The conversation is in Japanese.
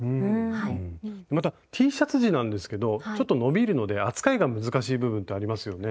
またＴシャツ地なんですけどちょっと伸びるので扱いが難しい部分ってありますよね？